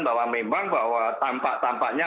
bahwa memang bahwa tampak tampaknya